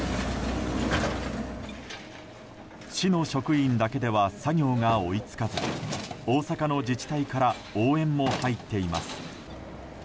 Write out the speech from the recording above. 市の職員だけでは作業が追い付かず大阪の自治体から応援も入っています。